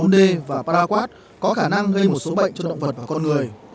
hai bốn d và paraquat có khả năng gây một số bệnh cho động vật và con người